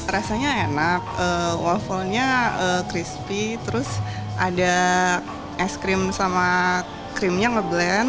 rasanya enak waffle nya crispy terus ada es krim sama krimnya ngeblend